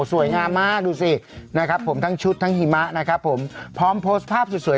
สวยงามมากดูสินะครับผมทั้งชุดทั้งหิมะนะครับผมพร้อมโพสต์ภาพสวย